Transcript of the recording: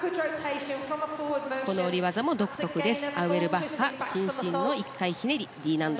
下り技も独特です。